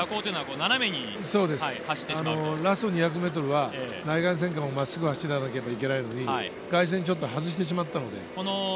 ラスト２００ｍは真っすぐ走らなければいけないのに外線ちょっと外してしまったので。